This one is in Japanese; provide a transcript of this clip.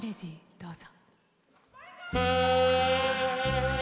どうぞ。